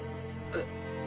えっ？